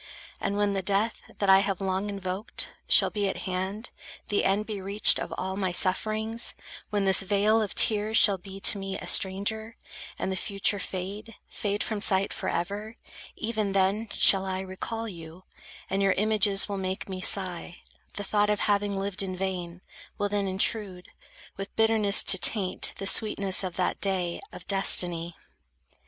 And when the death, that I have long invoked, Shall be at hand, the end be reached of all My sufferings; when this vale of tears shall be To me a stranger, and the future fade, Fade from sight forever; even then, shall I Recall you; and your images will make Me sigh; the thought of having lived in vain, Will then intrude, with bitterness to taint The sweetness of that day of destiny.